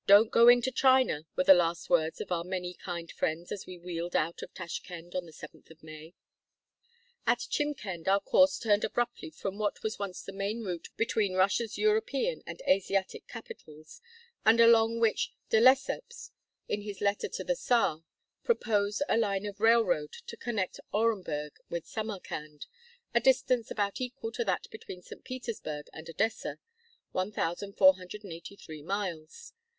IV 113 "Don't go into China" were the last words of our many kind friends as we wheeled out of Tashkend on the seventh of May. At Chimkend our course turned abruptly from what was once the main route between Russia's European and Asiatic capitals, and along which De Lesseps, in his letter to the Czar, proposed a line of railroad to connect Orenburg with Samarkand, a distance about equal to that between St. Petersburg and Odessa, 1483 miles.